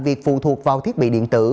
việc phù thuộc vào thiết bị điện tử